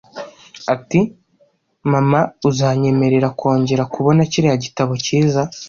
Ati: "Mama, uzanyemerera kongera kubona kiriya gitabo cyiza?"